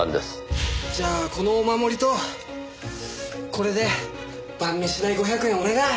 じゃあこのお守りとこれで晩飯代５００円お願い！